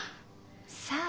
「さあ？」